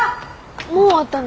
もう終わったの？